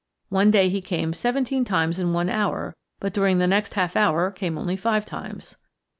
One day he came seventeen times in one hour, but during the next half hour came only five times.